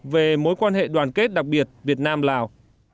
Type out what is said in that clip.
về mối quan hệ đoàn kết đặc biệt việt nam lào